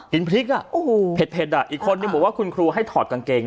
พริกอ่ะโอ้โหเผ็ดอ่ะอีกคนนึงบอกว่าคุณครูให้ถอดกางเกง